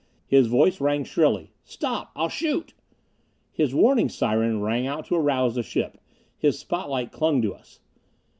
His voice rang shrilly: "Stop! I'll shoot!" His warning siren rang out to arouse the ship. His spotlight clung to us.